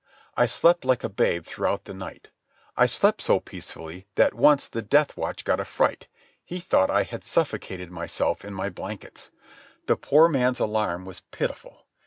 I slept like a babe throughout the night. I slept so peacefully that once the death watch got a fright. He thought I had suffocated myself in my blankets. The poor man's alarm was pitiful.